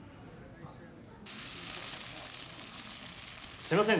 すいませんね